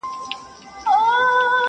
څارنوال چي د قاضي دې کار ته ګوري،